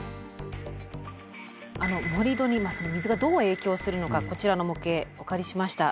盛り土に水がどう影響するのかこちらの模型お借りしました。